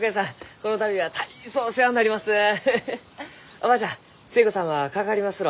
おばあちゃん寿恵子さんはかかりますろう？